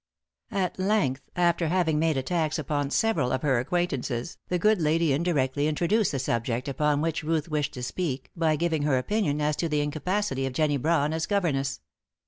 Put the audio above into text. At length, after having made attacks upon several of her acquaintances, the good lady indirectly introduced the subject upon which Ruth wished to speak by giving her opinion as to the incapacity of Jennie Brawn as governess.